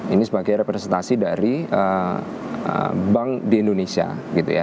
ini sebagai representasi dari bank di indonesia gitu ya